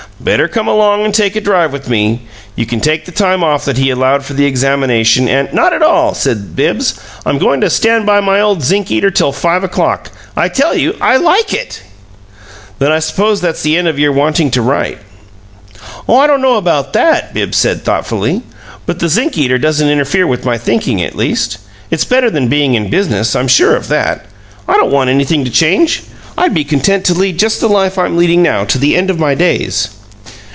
"Better come along and take a drive with me. You can take the time off that he allowed for the examination, and " "Not at all," said Bibbs. "I'm going to stand by my old zinc eater till five o'clock. I tell you I LIKE it!" "Then I suppose that's the end of your wanting to write." "I don't know about that," Bibbs said, thoughtfully; "but the zinc eater doesn't interfere with my thinking, at least. It's better than being in business; I'm sure of that. I don't want anything to change. I'd be content to lead just the life I'm leading now to the end of my days."